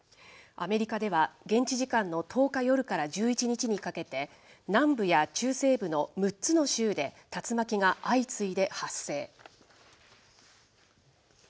アメリカでは現地時間の１０日夜から１１日にかけて、南部や中西部の６つの州で竜巻が相次いで発生。